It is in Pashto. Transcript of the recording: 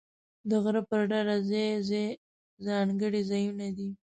د غره پر ډډه ځای ځای ځانګړي ځایونه دي.